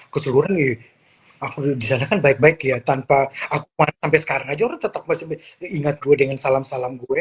keseluruh ini aku bisa agencies baik baik ya tanpa aku tetap masih ingat gua dengan salam salam gue